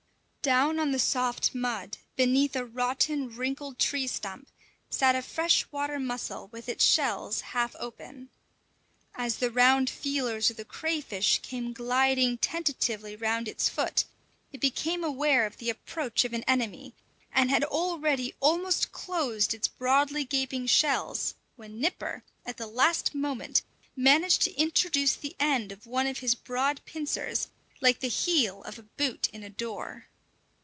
Down on the soft mud, beneath a rotten, wrinkled tree stump, sat a fresh water mussel with its shells half open. As the round feelers of the crayfish came gliding tentatively round its foot, it became aware of the approach of an enemy, and had already almost closed its broadly gaping shells when Nipper, at the last moment, managed to introduce the end of one of his broad pincers, like the heel of a boot in a door.